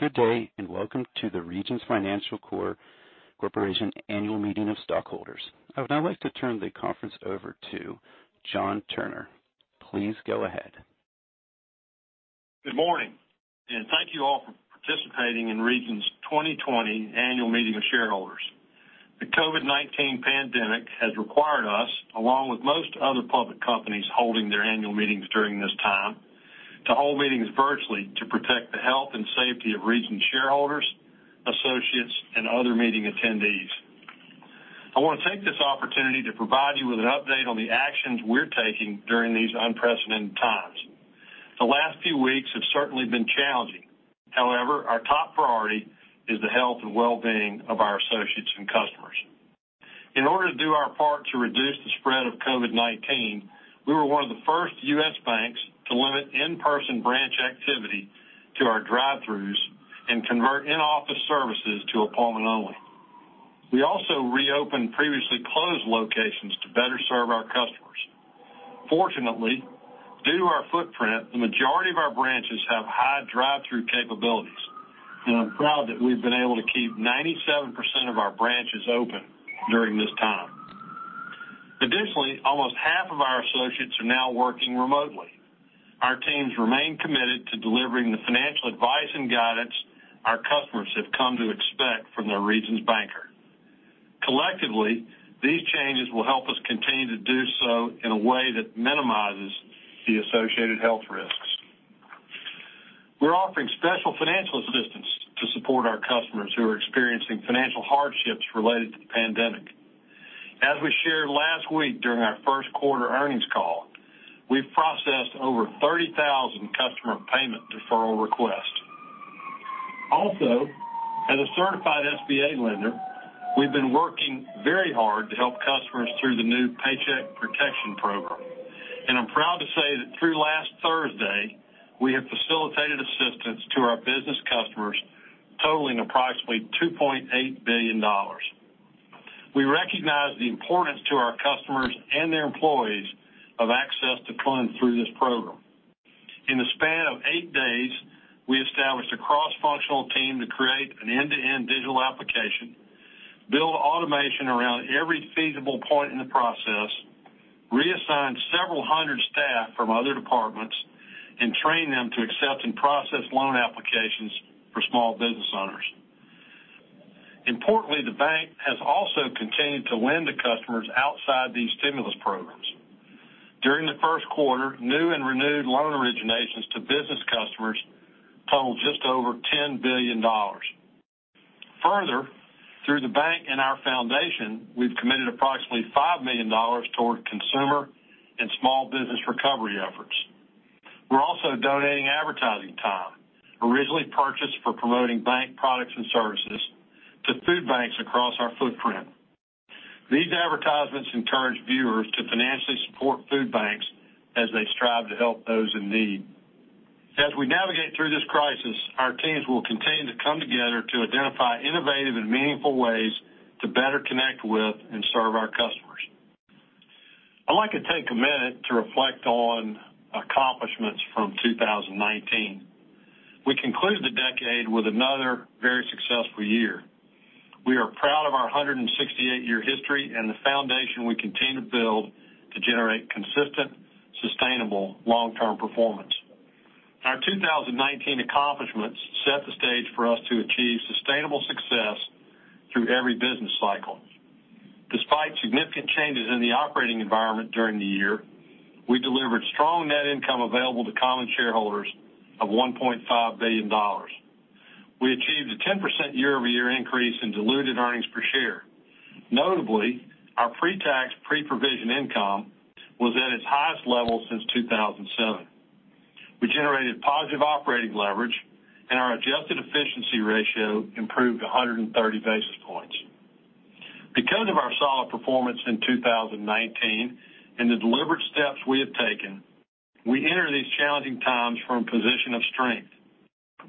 Good day, and welcome to the Regions Financial Corporation Annual Meeting of Stockholders. I would now like to turn the conference over to John Turner. Please go ahead. Good morning. Thank you all for participating in Regions' 2020 Annual Meeting of Shareholders. The COVID-19 pandemic has required us, along with most other public companies holding their annual meetings during this time, to hold meetings virtually to protect the health and safety of Regions shareholders, associates, and other meeting attendees. I want to take this opportunity to provide you with an update on the actions we're taking during these unprecedented times. The last few weeks have certainly been challenging. Our top priority is the health and well-being of our associates and customers. In order to do our part to reduce the spread of COVID-19, we were one of the first U.S. banks to limit in-person branch activity to our drive-throughs and convert in-office services to appointment only. We also reopened previously closed locations to better serve our customers. Fortunately, due to our footprint, the majority of our branches have high drive-through capabilities, and I'm proud that we've been able to keep 97% of our branches open during this time. Additionally, almost half of our associates are now working remotely. Our teams remain committed to delivering the financial advice and guidance our customers have come to expect from their Regions banker. Collectively, these changes will help us continue to do so in a way that minimizes the associated health risks. We're offering special financial assistance to support our customers who are experiencing financial hardships related to the pandemic. As we shared last week during our first quarter earnings call, we've processed over 30,000 customer payment deferral requests. As a certified SBA lender, we've been working very hard to help customers through the new Paycheck Protection Program. I'm proud to say that through last Thursday, we have facilitated assistance to our business customers totaling approximately $2.8 billion. We recognize the importance to our customers and their employees of access to funds through this program. In the span of eight days, we established a cross-functional team to create an end-to-end digital application, build automation around every feasible point in the process, reassign several hundred staff from other departments, and train them to accept and process loan applications for small business owners. Importantly, the bank has also continued to lend to customers outside these stimulus programs. During the first quarter, new and renewed loan originations to business customers totaled just over $10 billion. Through the bank and our foundation, we've committed approximately $5 million towards consumer and small business recovery efforts. We're also donating advertising time, originally purchased for promoting bank products and services, to food banks across our footprint. These advertisements encourage viewers to financially support food banks as they strive to help those in need. As we navigate through this crisis, our teams will continue to come together to identify innovative and meaningful ways to better connect with and serve our customers. I'd like to take a minute to reflect on accomplishments from 2019. We conclude the decade with another very successful year. We are proud of our 168-year history and the foundation we continue to build to generate consistent, sustainable, long-term performance. Our 2019 accomplishments set the stage for us to achieve sustainable success through every business cycle. Despite significant changes in the operating environment during the year, we delivered strong net income available to common shareholders of $1.5 billion. We achieved a 10% year-over-year increase in diluted earnings per share. Notably, our pre-tax, pre-provision income was at its highest level since 2007. We generated positive operating leverage, and our adjusted efficiency ratio improved 130 basis points. Because of our solid performance in 2019 and the deliberate steps we have taken, we enter these challenging times from a position of strength,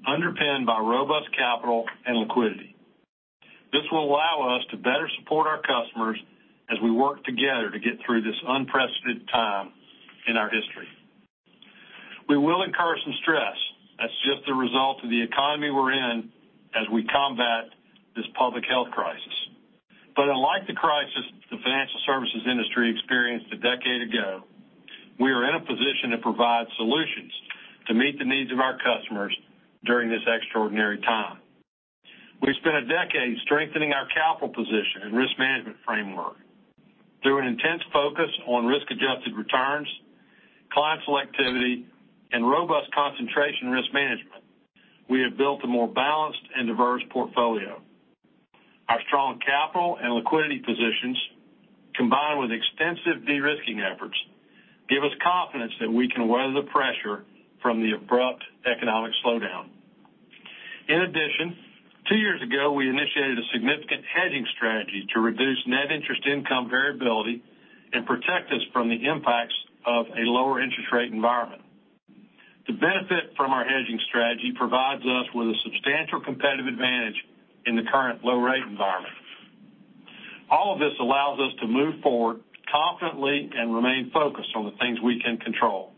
underpinned by robust capital and liquidity. This will allow us to better support our customers as we work together to get through this unprecedented time in our history. We will incur some stress. That's just the result of the economy we're in as we combat this public health crisis. Unlike the crisis the financial services industry experienced a decade ago, we are in a position to provide solutions to meet the needs of our customers during this extraordinary time. We've spent a decade strengthening our capital position and risk management framework. Through an intense focus on risk-adjusted returns, client selectivity, and robust concentration risk management, we have built a more balanced and diverse portfolio. Our strong capital and liquidity positions, combined with extensive de-risking efforts, give us confidence that we can weather the pressure from the abrupt economic slowdown. In addition, two years ago, we initiated a significant hedging strategy to reduce net interest income variability and protect us from the impacts of a lower interest rate environment. The benefit from our hedging strategy provides us with a substantial competitive advantage in the current low-rate environment. All of this allows us to move forward confidently and remain focused on the things we can control,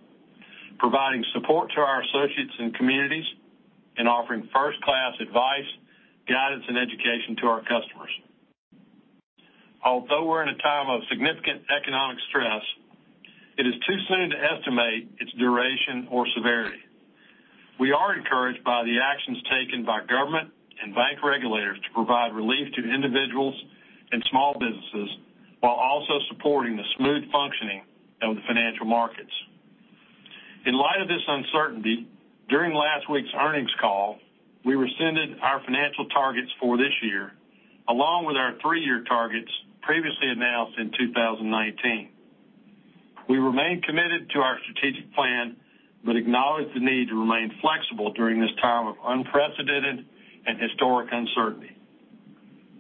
providing support to our associates and communities, and offering first-class advice, guidance, and education to our customers. Although we're in a time of significant economic stress, it is too soon to estimate its duration or severity. We are encouraged by the actions taken by government and bank regulators to provide relief to individuals and small businesses, while also supporting the smooth functioning of the financial markets. In light of this uncertainty, during last week's earnings call, we rescinded our financial targets for this year, along with our three-year targets previously announced in 2019. We remain committed to our strategic plan but acknowledge the need to remain flexible during this time of unprecedented and historic uncertainty.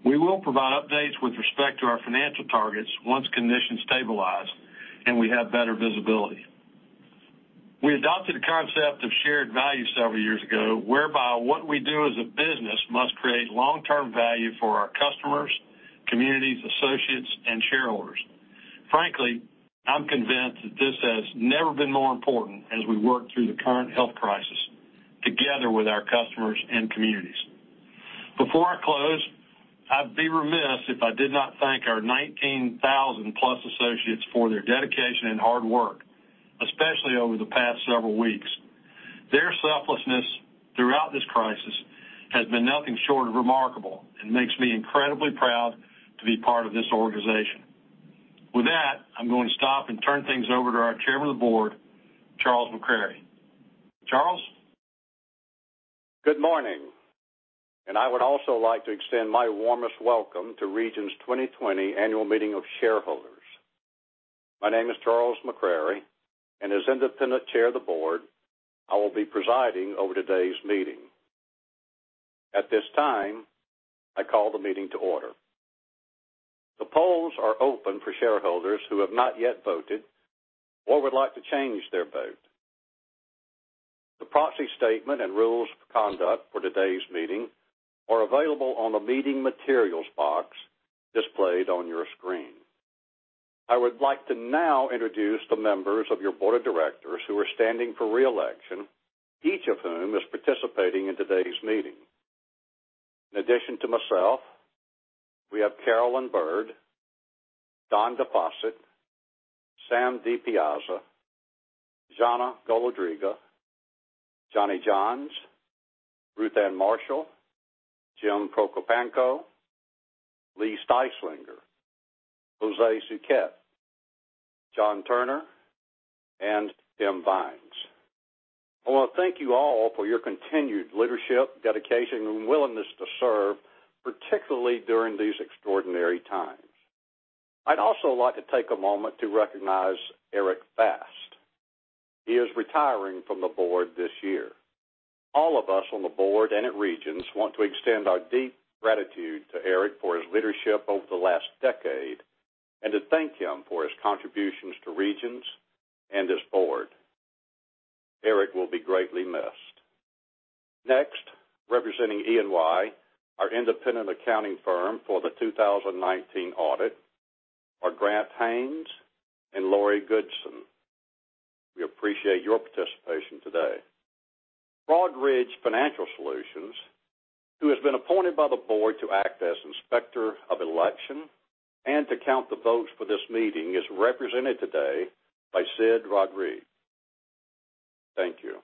We will provide updates with respect to our financial targets once conditions stabilize and we have better visibility. We adopted a concept of shared value several years ago, whereby what we do as a business must create long-term value for our customers, communities, associates, and shareholders. Frankly, I'm convinced that this has never been more important as we work through the current health crisis, together with our customers and communities. Before I close, I'd be remiss if I did not thank our 19,000+ associates for their dedication and hard work, especially over the past several weeks. Their selflessness throughout this crisis has been nothing short of remarkable and makes me incredibly proud to be part of this organization. With that, I'm going to stop and turn things over to our Chairman of the Board, Charles McCrary. Charles? Good morning. I would also like to extend my warmest welcome to Regions' 2020 Annual Meeting of Shareholders. My name is Charles McCrary, and as independent chair of the board, I will be presiding over today's meeting. At this time, I call the meeting to order. The polls are open for shareholders who have not yet voted or would like to change their vote. The proxy statement and rules of conduct for today's meeting are available on the Meeting Materials box displayed on your screen. I would like to now introduce the members of your Board of Directors who are standing for re-election, each of whom is participating in today's meeting. In addition to myself, we have Carolyn Byrd, Don DeFossett, Sam DiPiazza, Zhanna Golodryga, Johnny Johns, Ruth Ann Marshall, Jim Prokopanko, Lee Styslinger, José Suquet, John Turner, and Tim Vines. I want to thank you all for your continued leadership, dedication, and willingness to serve, particularly during these extraordinary times. I'd also like to take a moment to recognize Eric Fast. He is retiring from the board this year. All of us on the board and at Regions want to extend our deep gratitude to Eric for his leadership over the last decade and to thank him for his contributions to Regions and this board. Eric will be greatly missed. Next, representing EY, our independent accounting firm for the 2019 audit, are Grant Haines and Lori Goodson. We appreciate your participation today. Broadridge Financial Solutions, who has been appointed by the board to act as Inspector of Election and to count the votes for this meeting, is represented today by Sid Rodriguez. Thank you.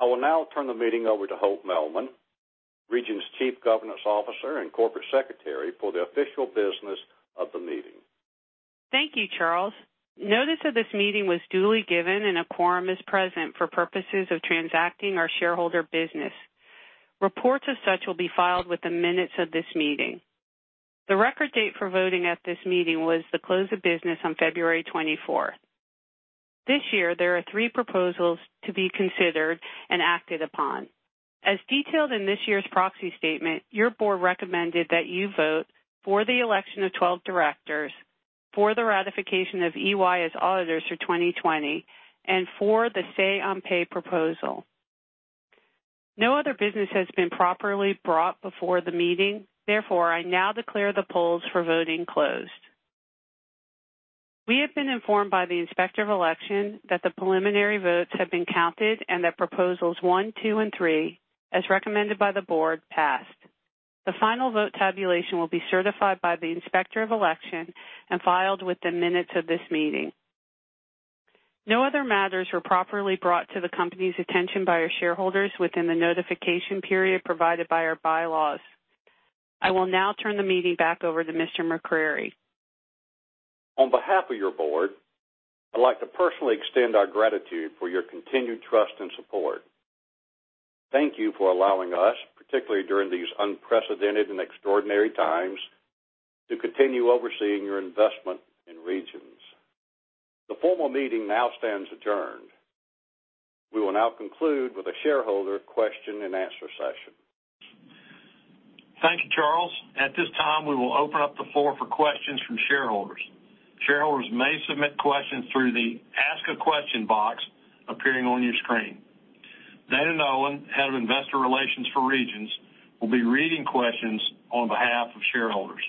I will now turn the meeting over to Hope Mehlman, Regions' Chief Governance Officer and Corporate Secretary, for the official business of the meeting. Thank you, Charles. Notice of this meeting was duly given and a quorum is present for purposes of transacting our shareholder business. Reports of such will be filed with the minutes of this meeting. The record date for voting at this meeting was the close of business on February 24th. This year, there are three proposals to be considered and acted upon. As detailed in this year's proxy statement, your board recommended that you vote for the election of 12 directors, for the ratification of EY as auditors for 2020, and for the say on pay proposal. No other business has been properly brought before the meeting. Therefore, I now declare the polls for voting closed. We have been informed by the Inspector of Election that the preliminary votes have been counted and that proposals one, two, and three, as recommended by the board, passed. The final vote tabulation will be certified by the Inspector of Election and filed with the minutes of this meeting. No other matters were properly brought to the company's attention by our shareholders within the notification period provided by our bylaws. I will now turn the meeting back over to Mr. McCrary. On behalf of your board, I'd like to personally extend our gratitude for your continued trust and support. Thank you for allowing us, particularly during these unprecedented and extraordinary times, to continue overseeing your investment in Regions. The formal meeting now stands adjourned. We will now conclude with a shareholder question and answer session. Thank you, Charles. At this time, we will open up the floor for questions from shareholders. Shareholders may submit questions through the Ask A Question Box appearing on your screen. Dana Nolan, Head of Investor Relations for Regions, will be reading questions on behalf of shareholders.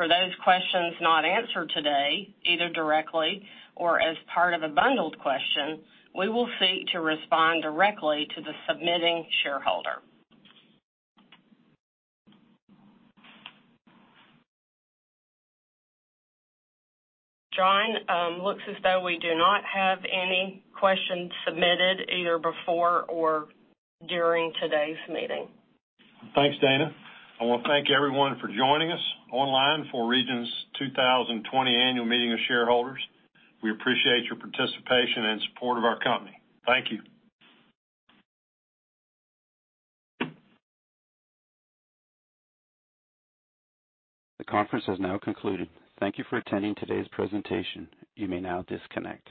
For those questions not answered today, either directly or as part of a bundled question, we will seek to respond directly to the submitting shareholder. John, looks as though we do not have any questions submitted either before or during today's meeting. Thanks, Dana. I want to thank everyone for joining us online for Regions' 2020 Annual Meeting of Shareholders. We appreciate your participation and support of our company. Thank you. The conference has now concluded. Thank you for attending today's presentation. You may now disconnect.